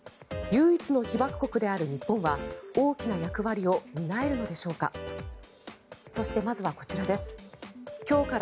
唯一の被爆国である日本は大きな役割を担えるのでしょうか。